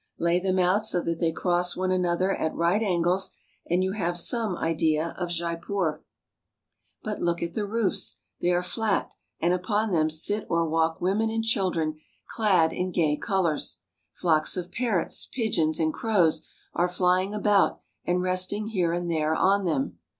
Lay them out so that they cross one another at right angles, and you have some idea of Jaipur. But look at the roofs. They are flat, and upon them sit or walk women and children clad in gay colors. Flocks of parrots, pigeons, and crows are flying about and resting here and there on them.